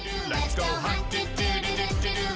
let's go hunting dudududu let's go hunting dudududu